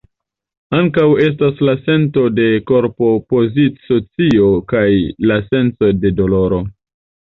Ankaŭ estas la sento de korpopozici-scio kaj la senco de doloro.